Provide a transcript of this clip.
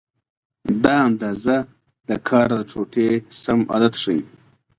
دا اندازه د کار د ټوټې سم عدد ښیي.